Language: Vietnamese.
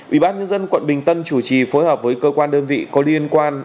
ủy ban nhân dân quận bình tân chủ trì phối hợp với cơ quan đơn vị có liên quan